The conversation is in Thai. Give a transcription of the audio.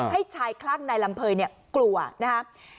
ให้ชายคล่างนายลำเพย์เนี่ยกลัวนะคะ